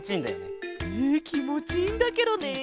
えきもちいいんだケロね。